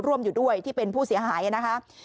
ร่วมอยู่ด้วยที่เป็นผู้เสียหายนะคะ